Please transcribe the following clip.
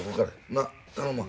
なっ頼むわ。